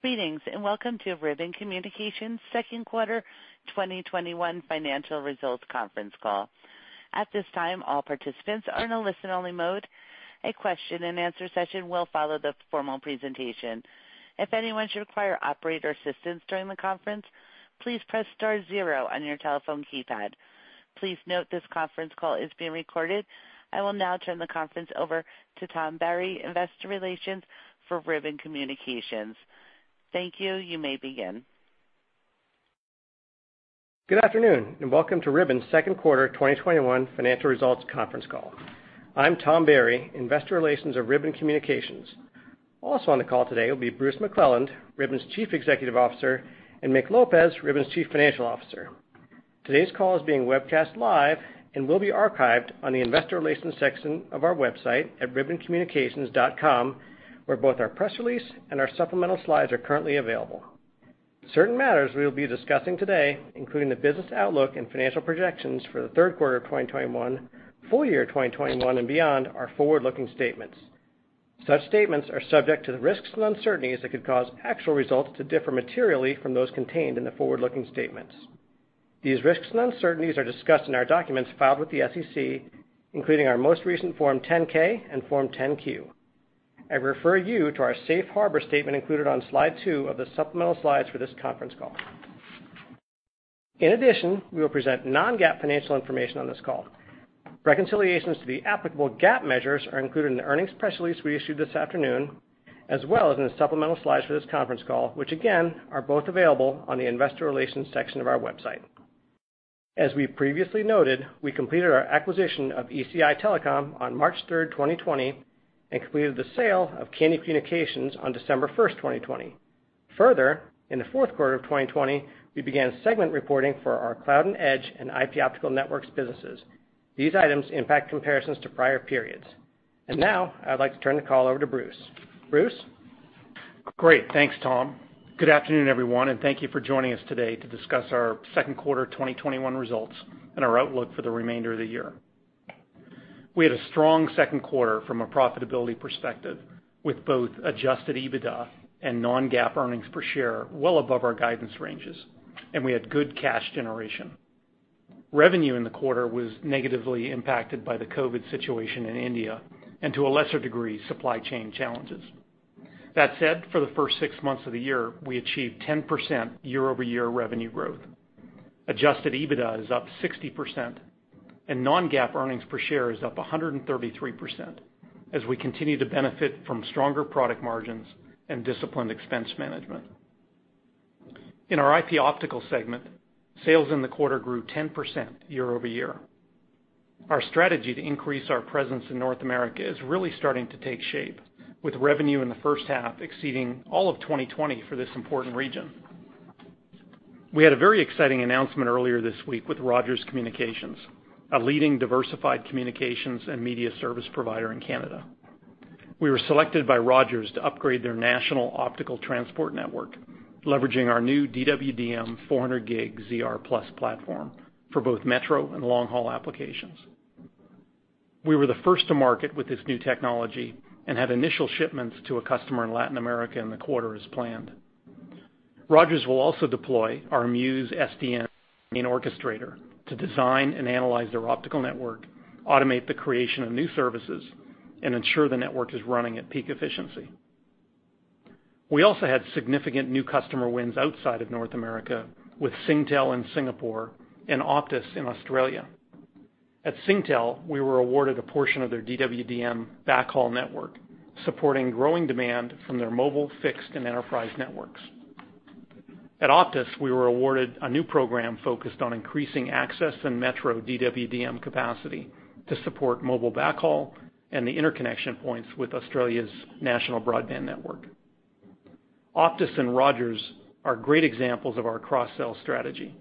Greetings, and welcome to Ribbon Communications' second quarter 2021 financial results conference call. I will now turn the conference over to Tom Berry, investor relations for Ribbon Communications. Thank you. You may begin. Good afternoon, welcome to Ribbon's second quarter 2021 financial results conference call. I'm Tom Berry, investor relations of Ribbon Communications. Also on the call today will be Bruce McClelland, Ribbon's Chief Executive Officer, and Mick Lopez, Ribbon's Chief Financial Officer. Today's call is being webcast live and will be archived on the investor relations section of our website at ribboncommunications.com, where both our press release and our supplemental slides are currently available. Certain matters we will be discussing today, including the business outlook and financial projections for the third quarter of 2021, full year 2021, and beyond, are forward-looking statements. Such statements are subject to the risks and uncertainties that could cause actual results to differ materially from those contained in the forward-looking statements. These risks and uncertainties are discussed in our documents filed with the SEC, including our most recent Form 10-K and Form 10-Q. I refer you to our safe harbor statement included on slide two of the supplemental slides for this conference call. In addition, we will present non-GAAP financial information on this call. Reconciliations to the applicable GAAP measures are included in the earnings press release we issued this afternoon, as well as in the supplemental slides for this conference call, which again, are both available on the investor relations section of our website. As we previously noted, we completed our acquisition of ECI Telecom on March 3rd, 2020, and completed the sale of Kandy Communications on December 1st, 2020. Further, in the fourth quarter of 2020, we began segment reporting for our Cloud and Edge and IP Optical Networks businesses. These items impact comparisons to prior periods. Now, I'd like to turn the call over to Bruce. Bruce? Great. Thanks, Tom. Good afternoon, everyone, and thank you for joining us today to discuss our second quarter 2021 results and our outlook for the remainder of the year. We had a strong second quarter from a profitability perspective with both adjusted EBITDA and non-GAAP earnings per share well above our guidance ranges, and we had good cash generation. Revenue in the quarter was negatively impacted by the COVID situation in India and, to a lesser degree, supply chain challenges. That said, for the first six months of the year, we achieved 10% year-over-year revenue growth. Adjusted EBITDA is up 60%, and non-GAAP earnings per share is up 133% as we continue to benefit from stronger product margins and disciplined expense management. In our IP Optical segment, sales in the quarter grew 10% year-over-year. Our strategy to increase our presence in North America is really starting to take shape with revenue in the first half exceeding all of 2020 for this important region. We had a very exciting announcement earlier this week with Rogers Communications, a leading diversified communications and media service provider in Canada. We were selected by Rogers to upgrade their national optical transport network, leveraging our new DWDM 400G ZR+ platform for both metro and long-haul applications. We were the first to market with this new technology and had initial shipments to a customer in Latin America in the quarter as planned. Rogers will also deploy our Muse SDN orchestrator to design and analyze their optical network, automate the creation of new services, and ensure the network is running at peak efficiency. We also had significant new customer wins outside of North America with Singtel in Singapore and Optus in Australia. At Singtel, we were awarded a portion of their DWDM backhaul network, supporting growing demand from their mobile, fixed, and enterprise networks. At Optus, we were awarded a new program focused on increasing access and metro DWDM capacity to support mobile backhaul and the interconnection points with Australia's national broadband network. Optus and Rogers are great examples of our cross-sell strategy,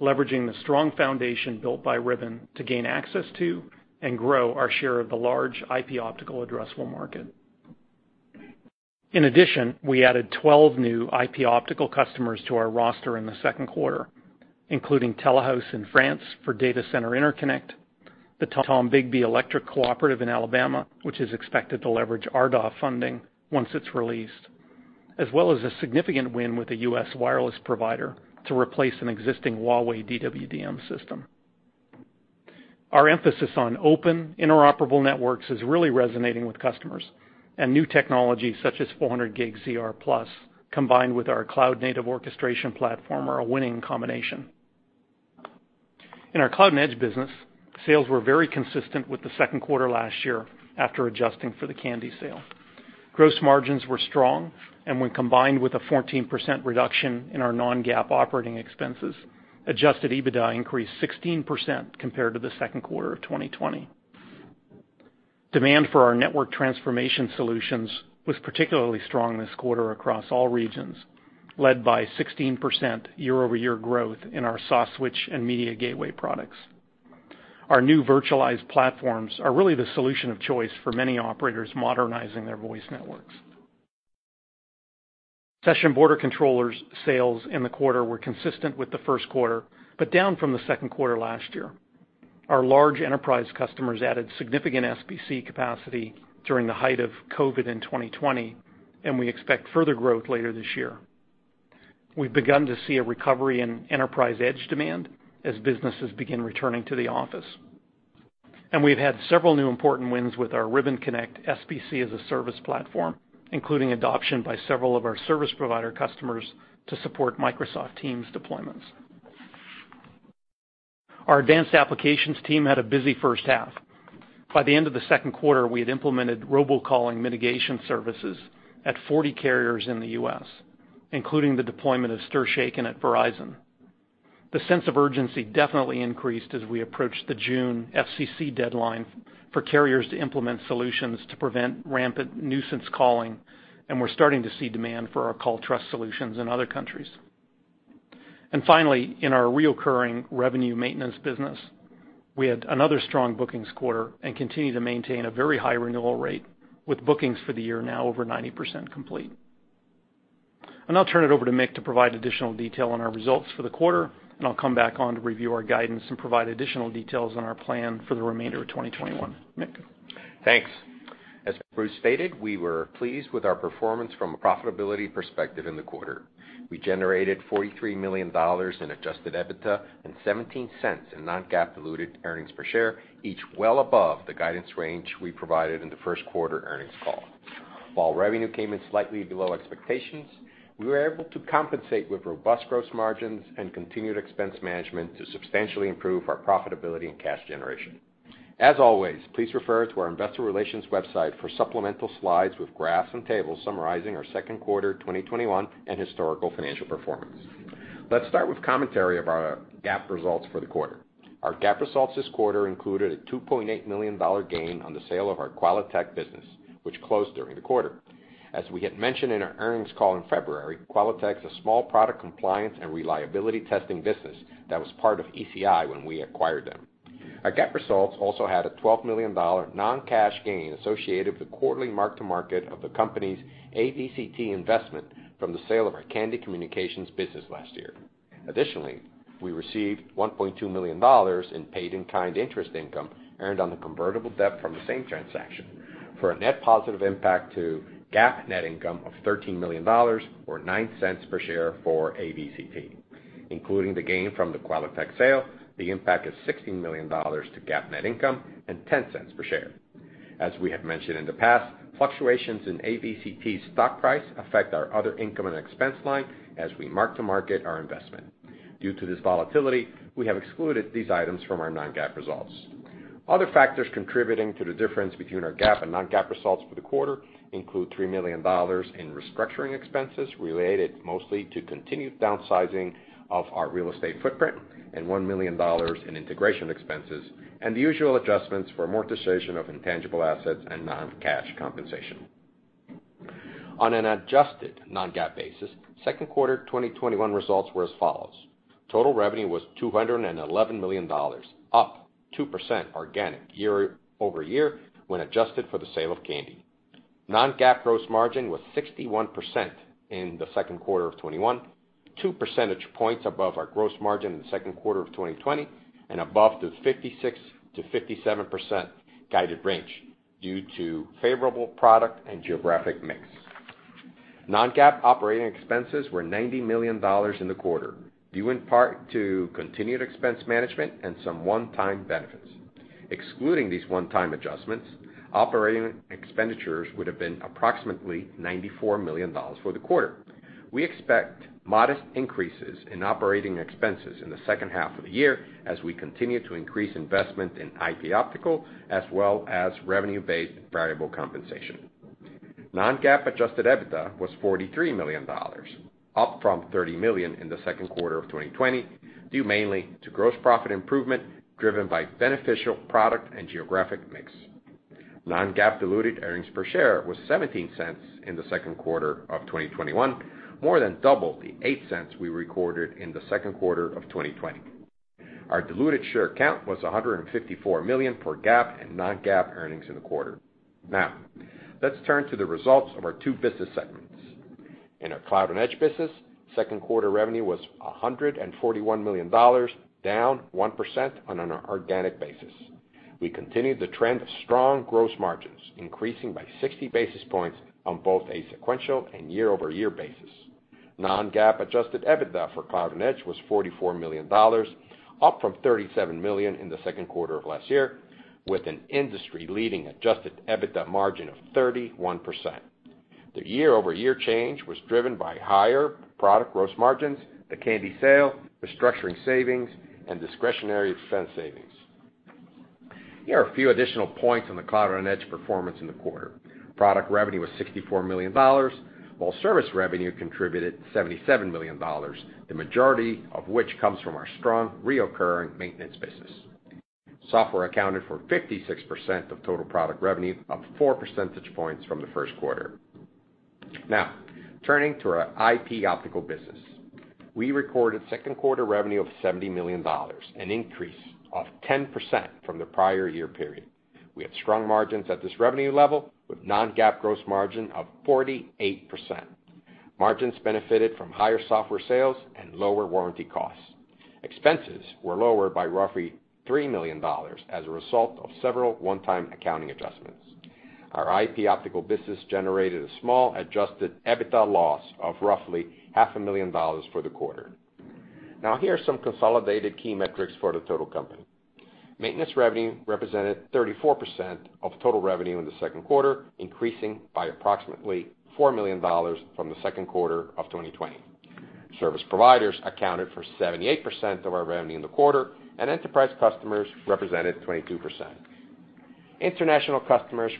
leveraging the strong foundation built by Ribbon to gain access to and grow our share of the large IP optical addressable market. In addition, we added 12 new IP optical customers to our roster in the second quarter, including Telehouse in France for data center interconnect, the Tombigbee Electric Cooperative in Alabama, which is expected to leverage RDOF funding once it's released, as well as a significant win with a U.S. wireless provider to replace an existing Huawei DWDM system. Our emphasis on open, interoperable networks is really resonating with customers, and new technologies such as 400G ZR+ combined with our cloud-native orchestration platform are a winning combination. In our Cloud and Edge business, sales were very consistent with the second quarter last year after adjusting for the Kandy sale. Gross margins were strong, and when combined with a 14% reduction in our non-GAAP operating expenses, adjusted EBITDA increased 16% compared to the second quarter of 2020. Demand for our network transformation solutions was particularly strong this quarter across all regions, led by 16% year-over-year growth in our SBC switch and media gateway products. Our new virtualized platforms are really the solution of choice for many operators modernizing their voice networks. Session border controllers sales in the quarter were consistent with the first quarter, but down from the second quarter last year. Our large enterprise customers added significant SBC capacity during the height of COVID in 2020. We expect further growth later this year. We've begun to see a recovery in enterprise edge demand as businesses begin returning to the office. We've had several new important wins with our Ribbon Connect SBC as a service platform, including adoption by several of our service provider customers to support Microsoft Teams deployments. Our advanced applications team had a busy first half. By the end of the second quarter, we had implemented robocalling mitigation services at 40 carriers in the U.S., including the deployment of STIR/SHAKEN at Verizon. The sense of urgency definitely increased as we approached the June FCC deadline for carriers to implement solutions to prevent rampant nuisance calling. We're starting to see demand for our Call Trust solutions in other countries. Finally, in our recurring revenue maintenance business, we had another strong bookings quarter and continue to maintain a very high renewal rate, with bookings for the year now over 90% complete. I'll turn it over to Mick to provide additional detail on our results for the quarter, and I'll come back on to review our guidance and provide additional details on our plan for the remainder of 2021. Mick? Thanks. As Bruce stated, we were pleased with our performance from a profitability perspective in the quarter. We generated $43 million in adjusted EBITDA and $0.17 in non-GAAP diluted earnings per share, each well above the guidance range we provided in the first quarter earnings call. While revenue came in slightly below expectations, we were able to compensate with robust gross margins and continued expense management to substantially improve our profitability and cash generation. As always, please refer to our investor relations website for supplemental slides with graphs and tables summarizing our second quarter 2021 and historical financial performance. Let's start with commentary of our GAAP results for the quarter. Our GAAP results this quarter included a $2.8 million gain on the sale of our QualiTech business, which closed during the quarter. As we had mentioned in our earnings call in February, QualiTech's a small product compliance and reliability testing business that was part of ECI when we acquired them. Our GAAP results also had a $12 million non-cash gain associated with the quarterly mark to market of the company's AVCT investment from the sale of our Kandy Communications business last year. We received $1.2 million in paid-in-kind interest income earned on the convertible debt from the same transaction, for a net positive impact to GAAP net income of $13 million or $0.09 per share for AVCT. Including the gain from the QualiTech sale, the impact is $16 million to GAAP net income and $0.10 per share. As we have mentioned in the past, fluctuations in AVCT's stock price affect our other income and expense line as we mark to market our investment. Due to this volatility, we have excluded these items from our non-GAAP results. Other factors contributing to the difference between our GAAP and non-GAAP results for the quarter include $3 million in restructuring expenses related mostly to continued downsizing of our real estate footprint, and $1 million in integration expenses, and the usual adjustments for amortization of intangible assets and non-cash compensation. On an adjusted non-GAAP basis, second quarter 2021 results were as follows. Total revenue was $211 million, up 2% organic year-over-year when adjusted for the sale of Kandy. Non-GAAP gross margin was 61% in the second quarter of 2021, two percentage points above our gross margin in the second quarter of 2020, and above the 56%-57% guided range due to favorable product and geographic mix. Non-GAAP operating expenses were $90 million in the quarter, due in part to continued expense management and some one-time benefits. Excluding these one-time adjustments, operating expenditures would've been approximately $94 million for the quarter. We expect modest increases in operating expenses in the second half of the year as we continue to increase investment in IP Optical as well as revenue-based variable compensation. Non-GAAP adjusted EBITDA was $43 million, up from $30 million in the second quarter of 2020, due mainly to gross profit improvement, driven by beneficial product and geographic mix. Non-GAAP diluted earnings per share was $0.17 in the second quarter of 2021, more than double the $0.08 we recorded in the second quarter of 2020. Our diluted share count was 154 million for GAAP and non-GAAP earnings in the quarter. Now, let's turn to the results of our two business segments. In our Cloud and Edge business, second quarter revenue was $141 million, down 1% on an organic basis. We continued the trend of strong gross margins, increasing by 60 basis points on both a sequential and year-over-year basis. Non-GAAP adjusted EBITDA for Cloud and Edge was $44 million, up from $37 million in the second quarter of last year, with an industry-leading adjusted EBITDA margin of 31%. The year-over-year change was driven by higher product gross margins, the Kandy sale, restructuring savings, and discretionary expense savings. Here are a few additional points on the Cloud and Edge performance in the quarter. Product revenue was $64 million, while service revenue contributed $77 million, the majority of which comes from our strong reoccurring maintenance business. Software accounted for 56% of total product revenue, up four percentage points from the first quarter. Now, turning to our IP Optical Networks. We recorded second quarter revenue of $70 million, an increase of 10% from the prior year period. We had strong margins at this revenue level with non-GAAP gross margin of 48%. Margins benefited from higher software sales and lower warranty costs. Expenses were lowered by roughly $3 million as a result of several one-time accounting adjustments. Our IP Optical business generated a small adjusted EBITDA loss of roughly half a million dollars for the quarter. Now, here are some consolidated key metrics for the total company. Maintenance revenue represented 34% of total revenue in the second quarter, increasing by approximately $4 million from the second quarter of 2020. Service providers accounted for 78% of our revenue in the quarter, and enterprise customers represented 22%. International customers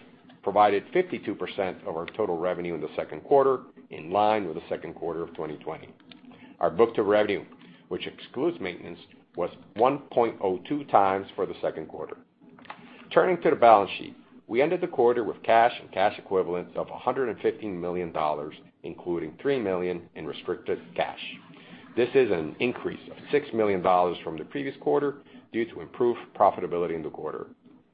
provided 52% of our total revenue in the second quarter, in line with the second quarter of 2020. Our book-to-revenue, which excludes maintenance, was 1.02 times for the second quarter. Turning to the balance sheet. We ended the quarter with cash and cash equivalents of $115 million, including $3 million in restricted cash. This is an increase of $6 million from the previous quarter due to improved profitability in the quarter.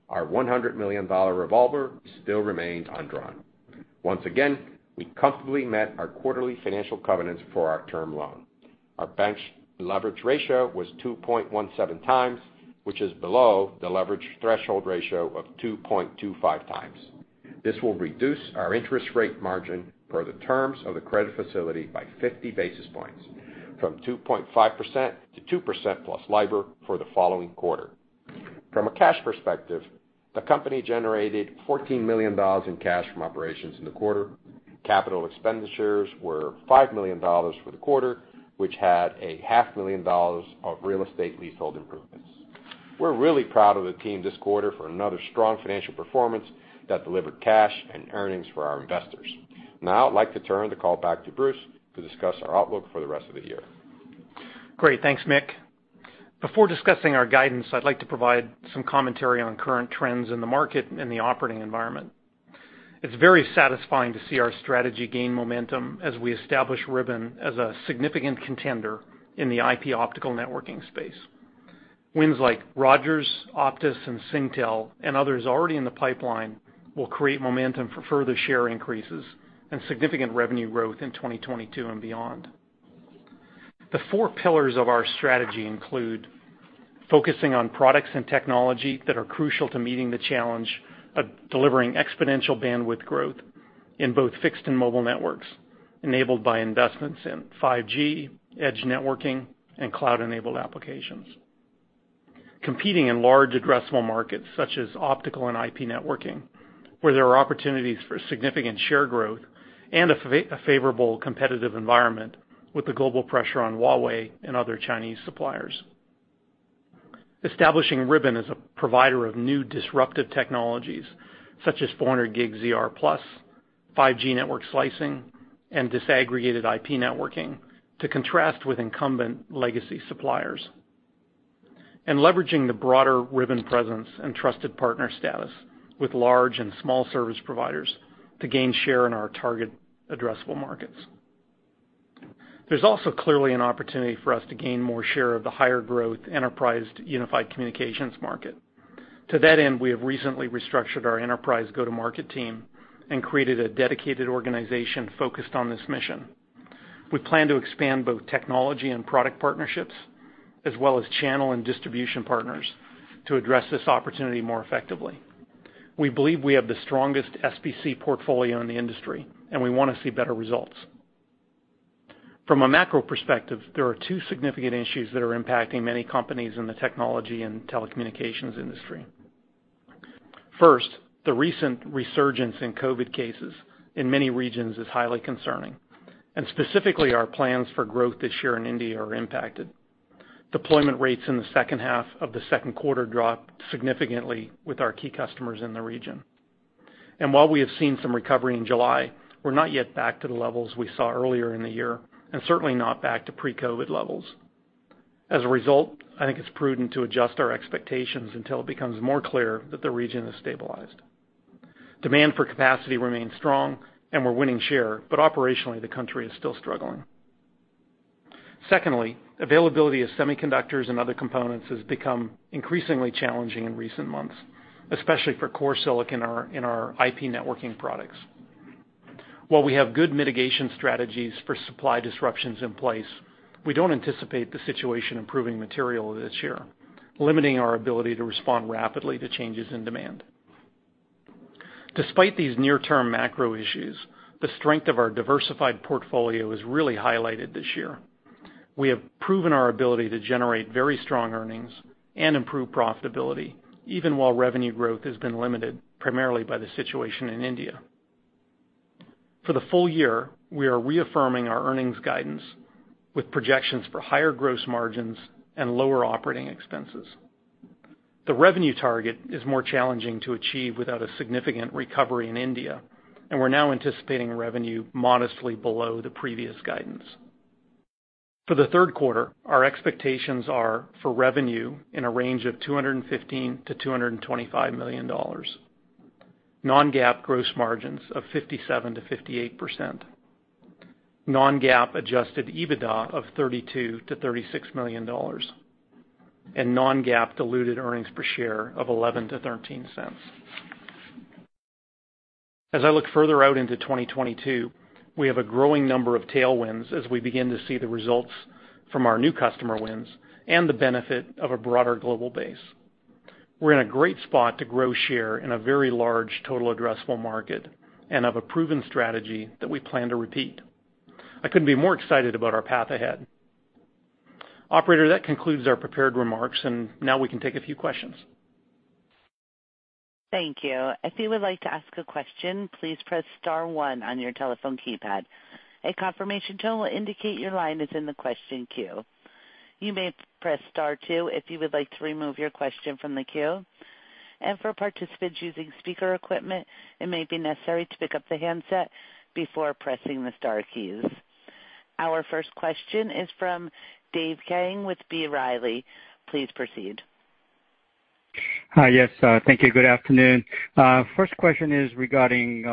Our $100 million revolver still remains undrawn. Once again, we comfortably met our quarterly financial covenants for our term loan. Our net leverage ratio was 2.17 times, which is below the leverage threshold ratio of 2.25 times. This will reduce our interest rate margin per the terms of the credit facility by 50 basis points from 2.5% to 2%+ LIBOR for the following quarter. From a cash perspective, the company generated $14 million in cash from operations in the quarter. Capital expenditures were $5 million for the quarter, which had a half million dollars of real estate leasehold improvements. We're really proud of the team this quarter for another strong financial performance that delivered cash and earnings for our investors. I'd like to turn the call back to Bruce to discuss our outlook for the rest of the year. Great. Thanks, Mick. Before discussing our guidance, I'd like to provide some commentary on current trends in the market and the operating environment. It's very satisfying to see our strategy gain momentum as we establish Ribbon as a significant contender in the IP Optical networking space. Wins like Rogers, Optus, and Singtel and others already in the pipeline will create momentum for further share increases and significant revenue growth in 2022 and beyond. The four pillars of our strategy include focusing on products and technology that are crucial to meeting the challenge of delivering exponential bandwidth growth in both fixed and mobile networks, enabled by investments in 5G, edge networking, and cloud-enabled applications. Competing in large addressable markets such as Optical and IP networking, where there are opportunities for significant share growth and a favorable competitive environment with the global pressure on Huawei and other Chinese suppliers. Establishing Ribbon as a provider of new disruptive technologies such as 400G ZR+, 5G network slicing, and disaggregated IP networking to contrast with incumbent legacy suppliers. Leveraging the broader Ribbon presence and trusted partner status with large and small service providers to gain share in our target addressable markets. There's also clearly an opportunity for us to gain more share of the higher growth enterprise unified communications market. To that end, we have recently restructured our enterprise go-to-market team and created a dedicated organization focused on this mission. We plan to expand both technology and product partnerships, as well as channel and distribution partners to address this opportunity more effectively. We believe we have the strongest SBC portfolio in the industry, and we want to see better results. From a macro perspective, there are two significant issues that are impacting many companies in the technology and telecommunications industry. First, the recent resurgence in COVID cases in many regions is highly concerning, and specifically, our plans for growth this year in India are impacted. Deployment rates in the second half of the second quarter dropped significantly with our key customers in the region. While we have seen some recovery in July, we're not yet back to the levels we saw earlier in the year, and certainly not back to pre-COVID levels. As a result, I think it's prudent to adjust our expectations until it becomes more clear that the region has stabilized. Demand for capacity remains strong and we're winning share, but operationally, the country is still struggling. Secondly, availability of semiconductors and other components has become increasingly challenging in recent months, especially for core silicon in our IP networking products. While we have good mitigation strategies for supply disruptions in place, we don't anticipate the situation improving material this year, limiting our ability to respond rapidly to changes in demand. Despite these near-term macro issues, the strength of our diversified portfolio is really highlighted this year. We have proven our ability to generate very strong earnings and improve profitability, even while revenue growth has been limited primarily by the situation in India. For the full year, we are reaffirming our earnings guidance with projections for higher gross margins and lower operating expenses. The revenue target is more challenging to achieve without a significant recovery in India, and we're now anticipating revenue modestly below the previous guidance. For the third quarter, our expectations are for revenue in a range of $215 million-$225 million. Non-GAAP gross margins of 57%-58%. Non-GAAP adjusted EBITDA of $32 million-$36 million. Non-GAAP diluted earnings per share of $0.11-$0.13. As I look further out into 2022, we have a growing number of tailwinds as we begin to see the results from our new customer wins and the benefit of a broader global base. We're in a great spot to grow share in a very large total addressable market and have a proven strategy that we plan to repeat. I couldn't be more excited about our path ahead. Operator, that concludes our prepared remarks. Now we can take a few questions. Thank you. If you would like to ask a question, please press star one on your telephone keypad. A confirmation tone will indicate your line is in the question queue. You may press star two if you would like to remove your question from the queue. For participants using speaker equipment, it may be necessary to pick up the handset before pressing the star keys. Our first question is from Dave Kang with B. Riley. Please proceed. Hi. Yes, thank you. Good afternoon. First question is regarding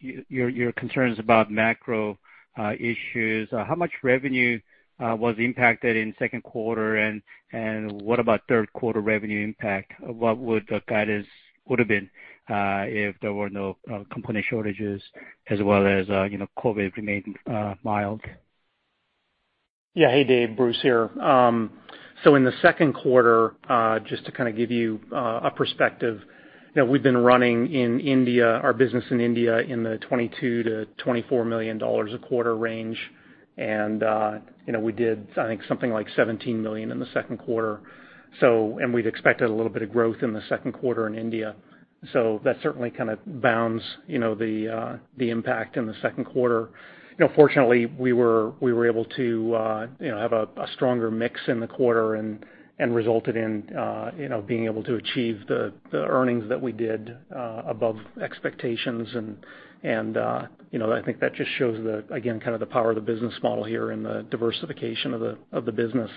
your concerns about macro issues. How much revenue was impacted in second quarter, and what about third quarter revenue impact? What would the guidance would've been, if there were no component shortages as well as, COVID remained mild? Yeah. Hey, Dave. Bruce here. In the second quarter, just to kind of give you a perspective, we've been running our business in India in the $22 million-$24 million a quarter range, and we did, I think, something like $17 million in the second quarter. We'd expected a little bit of growth in the second quarter in India. That certainly kind of bounds the impact in the second quarter. Fortunately, we were able to have a stronger mix in the quarter and resulted in being able to achieve the earnings that we did above expectations, and I think that just shows again, kind of the power of the business model here and the diversification of the business.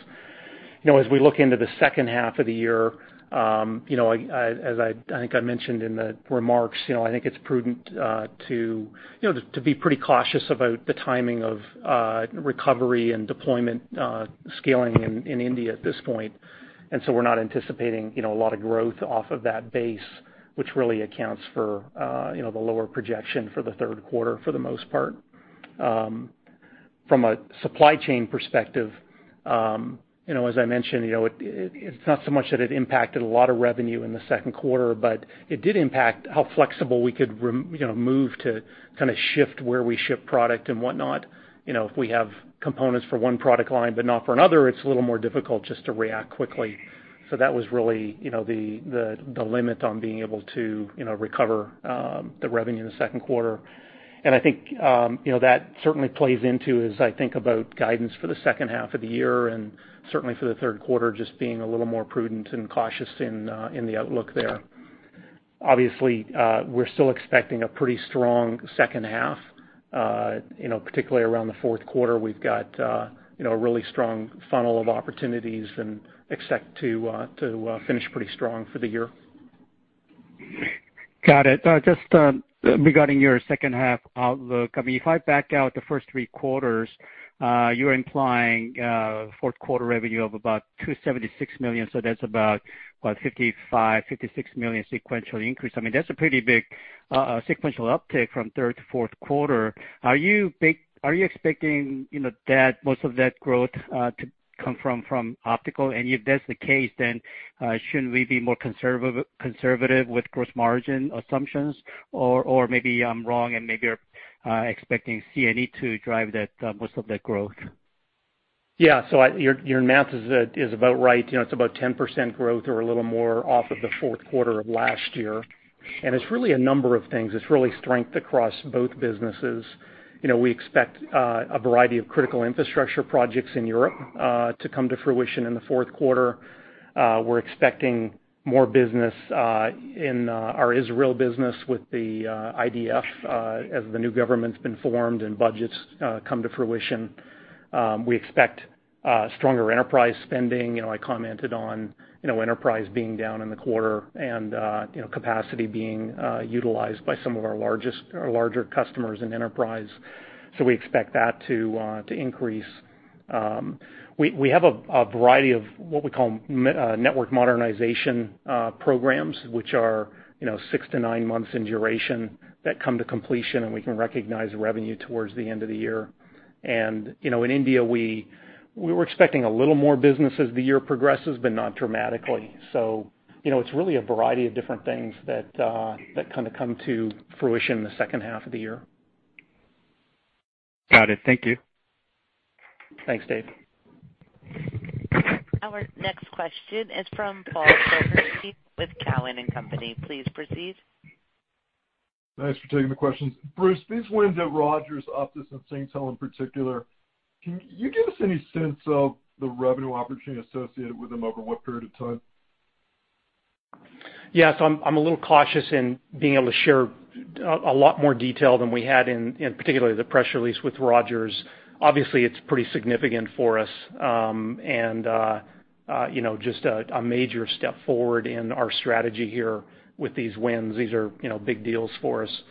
As we look into the second half of the year, as I think I mentioned in the remarks, I think it's prudent to be pretty cautious about the timing of recovery and deployment scaling in India at this point. We're not anticipating a lot of growth off of that base, which really accounts for the lower projection for the third quarter for the most part. From a supply chain perspective, as I mentioned, it's not so much that it impacted a lot of revenue in the second quarter, but it did impact how flexible we could move to kind of shift where we ship product and whatnot. If we have components for one product line but not for another, it's a little more difficult just to react quickly. That was really the limit on being able to recover the revenue in the second quarter. I think that certainly plays into as I think about guidance for the second half of the year, and certainly for the third quarter, just being a little more prudent and cautious in the outlook there. Obviously, we're still expecting a pretty strong second half. Particularly around the fourth quarter, we've got a really strong funnel of opportunities and expect to finish pretty strong for the year. Got it. Just regarding your second half outlook, if I back out the first three quarters, you're implying fourth quarter revenue of about $276 million, so that's about what, $55 million-$56 million sequential increase. That's a pretty big sequential uptick from third to fourth quarter. Are you expecting that most of that growth to come from Optical? If that's the case, shouldn't we be more conservative with gross margin assumptions? Maybe I'm wrong and maybe you're expecting C&E to drive most of that growth. Yeah. Your math is about right. It's about 10% growth or a little more off of the fourth quarter of last year. It's really a number of things. It's really strength across both businesses. We expect a variety of critical infrastructure projects in Europe to come to fruition in the fourth quarter. We're expecting more business in our Israel business with the IDF as the new government's been formed and budgets come to fruition. We expect stronger enterprise spending. I commented on enterprise being down in the quarter and capacity being utilized by some of our larger customers in enterprise. We expect that to increase. We have a variety of what we call network modernization programs, which are six to nine months in duration that come to completion, and we can recognize revenue towards the end of the year. In India, we were expecting a little more business as the year progresses, but not dramatically. It's really a variety of different things that kind of come to fruition in the second half of the year. Got it. Thank you. Thanks, Dave. Our next question is from Paul Silverstein with Cowen and Company. Please proceed. Thanks for taking the questions. Bruce, these wins at Rogers, Optus, and Singtel in particular, can you give us any sense of the revenue opportunity associated with them over what period of time? Yes, I'm a little cautious in being able to share a lot more detail than we had in particularly the press release with Rogers. Obviously, it's pretty significant for us, and just a major step forward in our strategy here with these wins. These are big deals for us.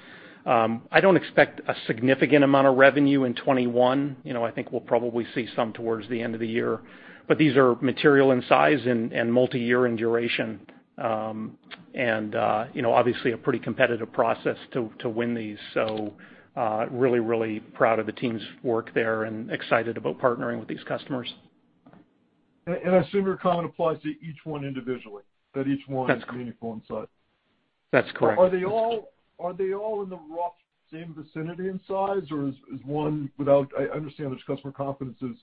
I don't expect a significant amount of revenue in 2021. I think we'll probably see some towards the end of the year. These are material in size and multi-year in duration. Obviously, a pretty competitive process to win these. Really proud of the team's work there and excited about partnering with these customers. I assume your comment applies to each one individually. That's correct. Is meaningful in size. That's correct. Are they all in the rough same vicinity in size, or is one, I understand there's customer confidences,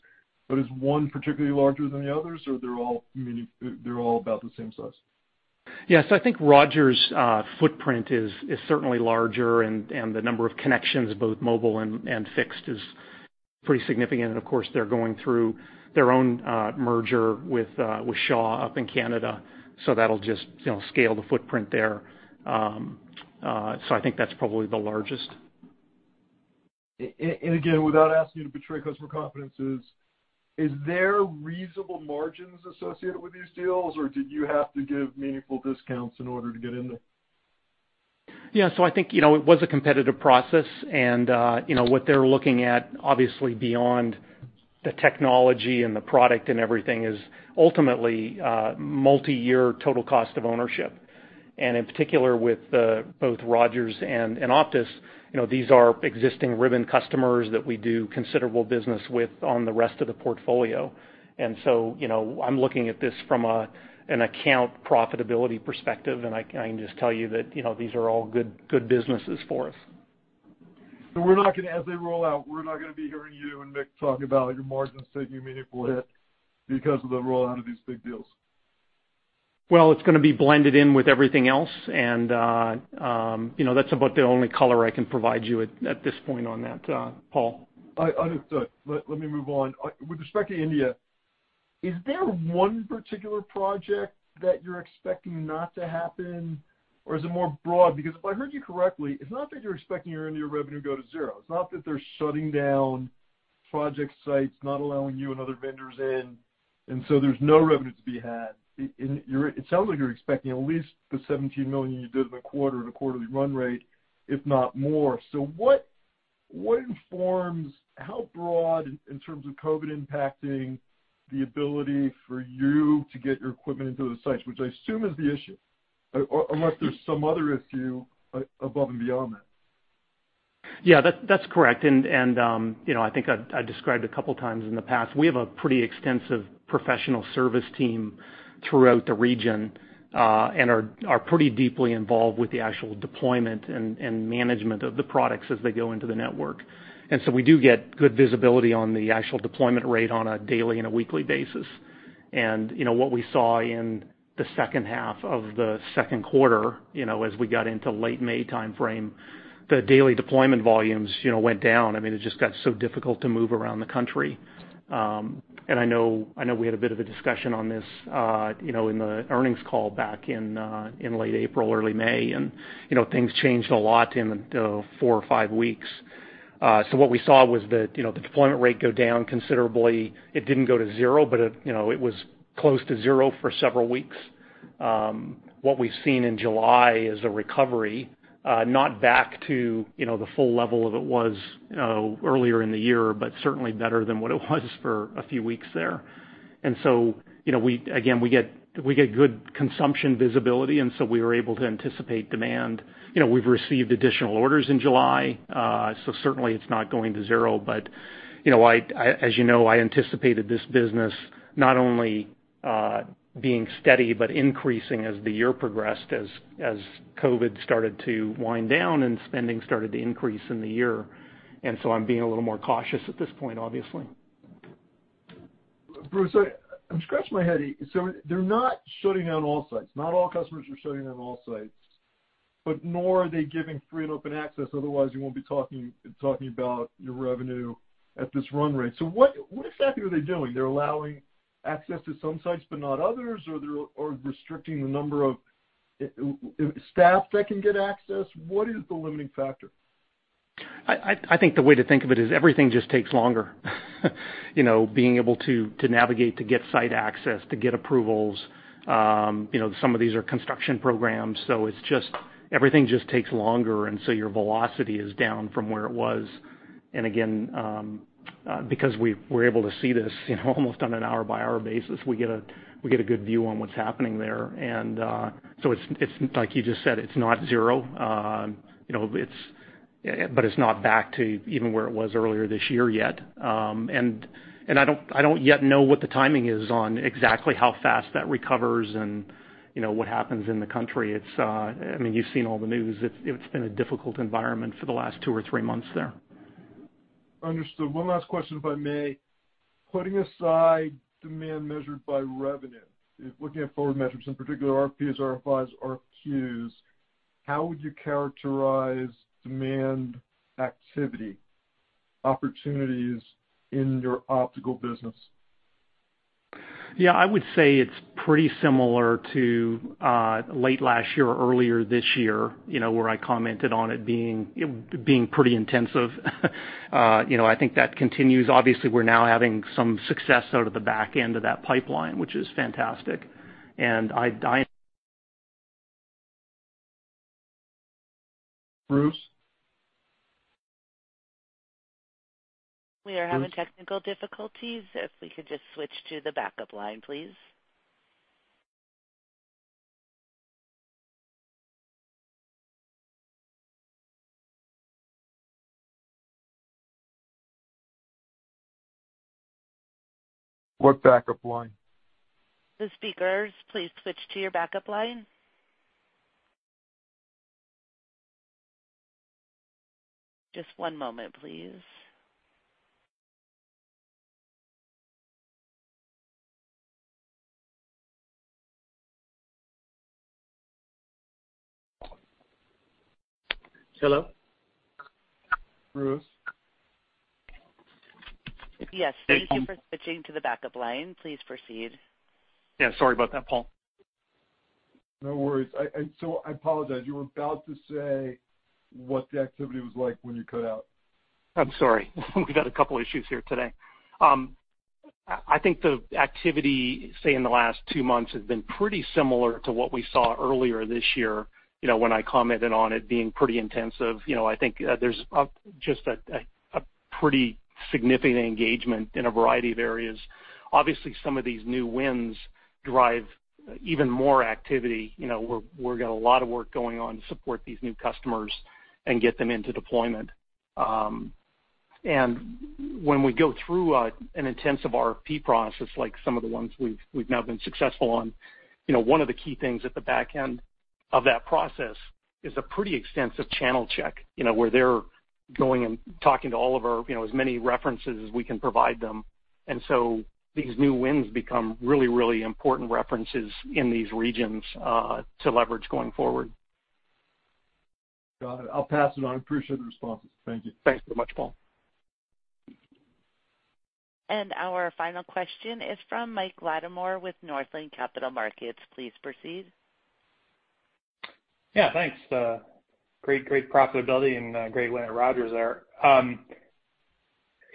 but is one particularly larger than the others, or they're all about the same size? Yes. I think Rogers' footprint is certainly larger. The number of connections, both mobile and fixed, is pretty significant. Of course, they're going through their own merger with Shaw up in Canada. That'll just scale the footprint there. I think that's probably the largest. Again, without asking you to betray customer confidences, is there reasonable margins associated with these deals, or did you have to give meaningful discounts in order to get in there? Yeah. I think it was a competitive process and what they're looking at, obviously beyond the technology and the product and everything, is ultimately multi-year total cost of ownership. In particular, with both Rogers and Optus, these are existing Ribbon customers that we do considerable business with on the rest of the portfolio. I'm looking at this from an account profitability perspective, and I can just tell you that these are all good businesses for us. As they roll out, we're not going to be hearing you and Mick talk about your margins taking a meaningful hit because of the rollout of these big deals? Well, it's going to be blended in with everything else, and that's about the only color I can provide you at this point on that, Paul. Let me move on. With respect to India, is there one particular project that you're expecting not to happen, or is it more broad? Because if I heard you correctly, it's not that you're expecting your India revenue to go to zero. It's not that they're shutting down project sites, not allowing you and other vendors in, and so there's no revenue to be had. It sounds like you're expecting at least the $17 million you did in a quarter at a quarterly run rate, if not more. How broad, in terms of COVID impacting the ability for you to get your equipment into those sites, which I assume is the issue, unless there's some other issue above and beyond that. Yeah. That's correct. I think I described a couple of times in the past, we have a pretty extensive professional service team throughout the region, and are pretty deeply involved with the actual deployment and management of the products as they go into the network. We do get good visibility on the actual deployment rate on a daily and a weekly basis. What we saw in the second half of the second quarter, as we got into late May timeframe, the daily deployment volumes went down. It just got so difficult to move around the country. I know we had a bit of a discussion on this in the earnings call back in late April, early May, and things changed a lot in the four or five weeks. What we saw was that the deployment rate go down considerably. It didn't go to zero, but it was close to zero for several weeks. What we've seen in July is a recovery, not back to the full level of it was earlier in the year, but certainly better than what it was for a few weeks there. Again, we get good consumption visibility, we were able to anticipate demand. We've received additional orders in July, so certainly it's not going to zero. As you know, I anticipated this business not only being steady, but increasing as the year progressed, as COVID started to wind down and spending started to increase in the year. I'm being a little more cautious at this point, obviously. Bruce, I'm scratching my head. They're not shutting down all sites. Not all customers are shutting down all sites, but nor are they giving free and open access. Otherwise, you won't be talking about your revenue at this run rate. What exactly are they doing? They're allowing access to some sites but not others? Or restricting the number of staff that can get access? What is the limiting factor? I think the way to think of it is everything just takes longer. Being able to navigate to get site access, to get approvals. Some of these are construction programs, so it's just everything just takes longer, and so your velocity is down from where it was. Again, because we're able to see this almost on an hour-by-hour basis, we get a good view on what's happening there. It's like you just said, it's not zero, but it's not back to even where it was earlier this year yet. I don't yet know what the timing is on exactly how fast that recovers and what happens in the country. You've seen all the news. It's been a difficult environment for the last two or three months there. Understood. One last question, if I may. Putting aside demand measured by revenue, looking at forward metrics, in particular RFPs, RFIs, RFQs, how would you characterize demand activity opportunities in your optical business? Yeah, I would say it's pretty similar to late last year or earlier this year, where I commented on it being pretty intensive. I think that continues. Obviously, we're now having some success out of the back end of that pipeline, which is fantastic. Bruce? We are having technical difficulties. If we could just switch to the backup line, please. What backup line? The speakers, please switch to your backup line. Just one moment, please. Hello? Bruce? Yes. Thank you for switching to the backup line. Please proceed. Yeah, sorry about that, Paul. No worries. I apologize. You were about to say what the activity was like when you cut out. I'm sorry. We've had a couple issues here today. I think the activity, say, in the last two months has been pretty similar to what we saw earlier this year, when I commented on it being pretty intensive. I think there's just a pretty significant engagement in a variety of areas. Obviously, some of these new wins drive even more activity. We've got a lot of work going on to support these new customers and get them into deployment. When we go through an intensive RFP process, like some of the ones we've now been successful on, one of the key things at the back end of that process is a pretty extensive channel check, where they're going and talking to as many references as we can provide them. These new wins become really important references in these regions to leverage going forward. Got it. I'll pass it on. Appreciate the responses. Thank you. Thanks so much, Paul. Our final question is from Mike Latimore with Northland Capital Markets. Please proceed. Yeah, thanks. Great profitability and great win at Rogers there.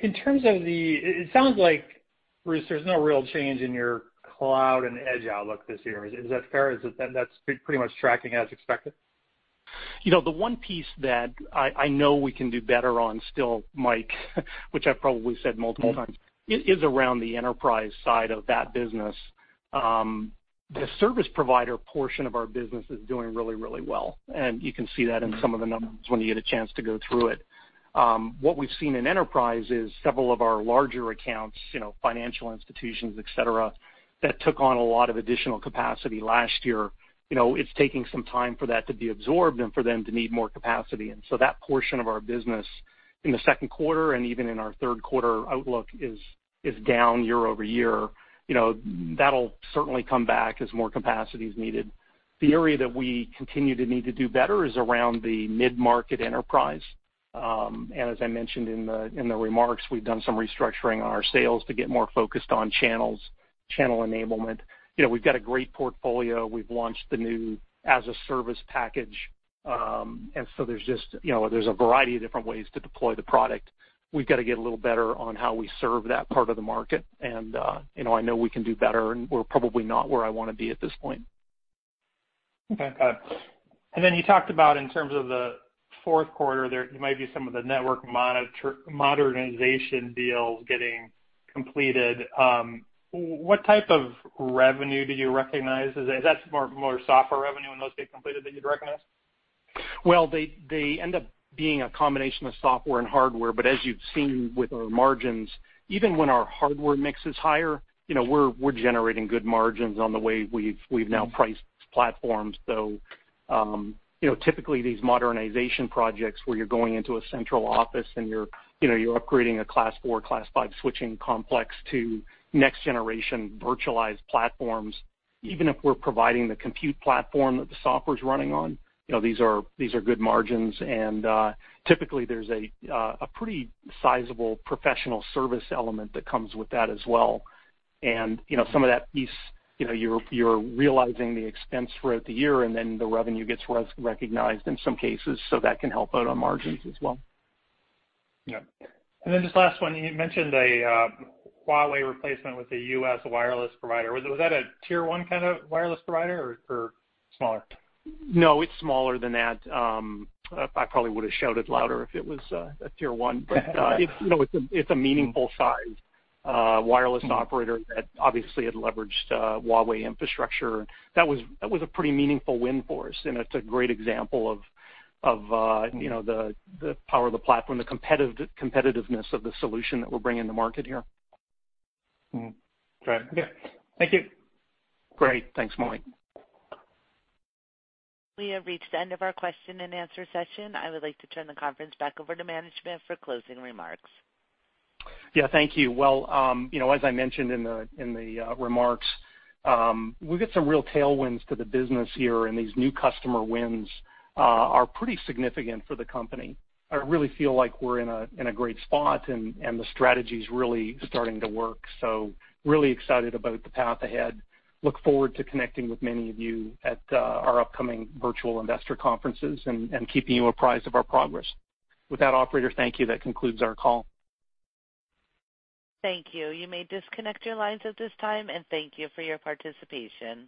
It sounds like, Bruce, there's no real change in your Cloud and Edge outlook this year. Is that fair? That's pretty much tracking as expected? The one piece that I know we can do better on still, Mike, which I've probably said multiple times, is around the enterprise side of that business. The service provider portion of our business is doing really well, and you can see that in some of the numbers when you get a chance to go through it. What we've seen in enterprise is several of our larger accounts, financial institutions, et cetera, that took on a lot of additional capacity last year. It's taking some time for that to be absorbed and for them to need more capacity. That portion of our business in the second quarter and even in our third quarter outlook is down year-over-year. That'll certainly come back as more capacity is needed. The area that we continue to need to do better is around the mid-market enterprise. As I mentioned in the remarks, we've done some restructuring on our sales to get more focused on channels, channel enablement. We've got a great portfolio. We've launched the new as-a-service package. There's a variety of different ways to deploy the product. We've got to get a little better on how we serve that part of the market, and I know we can do better, and we're probably not where I want to be at this point. Okay, got it. You talked about in terms of the fourth quarter there, you might do some of the network modernization deals getting completed. What type of revenue do you recognize? Is that more software revenue when those get completed that you'd recognize? Well, they end up being a combination of software and hardware. As you've seen with our margins, even when our hardware mix is higher, we're generating good margins on the way we've now priced platforms. Typically, these modernization projects where you're going into a central office and you're upgrading a Class 4, Class 5 switching complex to next-generation virtualized platforms, even if we're providing the compute platform that the software's running on, these are good margins. Typically, there's a pretty sizable professional service element that comes with that as well. Some of that piece, you're realizing the expense throughout the year, then the revenue gets recognized in some cases, that can help out on margins as well. Yeah. Just last one. You mentioned a Huawei replacement with a U.S. wireless provider. Was that a Tier 1 kind of wireless provider or smaller? No, it's smaller than that. I probably would've shouted louder if it was a Tier 1. It's a meaningful size wireless operator that obviously had leveraged Huawei infrastructure. That was a pretty meaningful win for us, and it's a great example of the power of the platform, the competitiveness of the solution that we're bringing to market here. Great. Okay. Thank you. Great. Thanks, Mike. We have reached the end of our question-and-answer session. I would like to turn the conference back over to management for closing remarks. Yeah, thank you. Well, as I mentioned in the remarks, we'll get some real tailwinds to the business here, and these new customer wins are pretty significant for the company. I really feel like we're in a great spot, and the strategy's really starting to work. Really excited about the path ahead. Look forward to connecting with many of you at our upcoming virtual investor conferences and keeping you apprised of our progress. With that, operator, thank you. That concludes our call. Thank you. You may disconnect your lines at this time, and thank you for your participation.